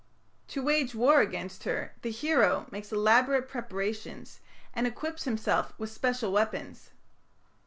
To wage war against her the hero makes elaborate preparations, and equips himself with special weapons.